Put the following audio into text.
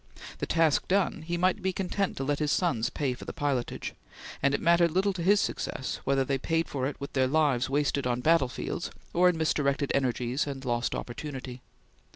The task done, he might be content to let his sons pay for the pilotage; and it mattered little to his success whether they paid it with their lives wasted on battle fields or in misdirected energies and lost opportunity.